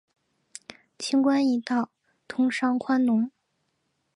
轻关易道，通商宽农